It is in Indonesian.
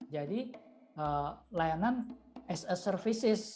jadi layanan as a services